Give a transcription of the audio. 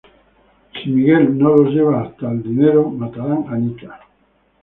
Si Michael no los lleva hasta el dinero, matarán a Nika.